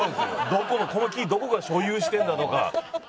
この木どこが所有してるんだとか。